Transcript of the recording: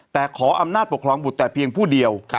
แต่ขออำนาจปกครองบุตรแต่เพียงผู้เดียว